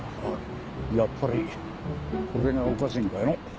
やっぱりこれがおかしいんかの。